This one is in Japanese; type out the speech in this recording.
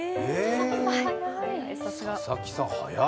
佐々木さん早い！